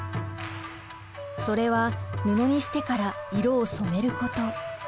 それは布にしてから色を染めること。